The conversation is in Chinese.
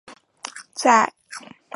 在今内蒙古自治区东部。